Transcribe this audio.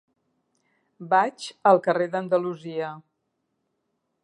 Vaig al carrer d'Andalusia.